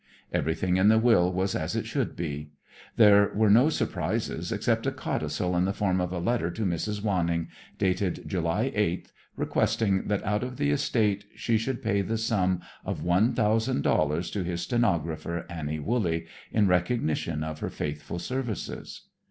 Everything in the will was as it should be. There were no surprises except a codicil in the form of a letter to Mrs. Wanning, dated July 8th, requesting that out of the estate she should pay the sum of one thousand dollars to his stenographer, Annie Wooley, "in recognition of her faithful services."